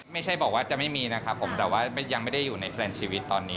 ไม่ใช่บอกว่าจะไม่มีนะครับผมแต่ว่ายังไม่ได้อยู่ในแพลนชีวิตตอนนี้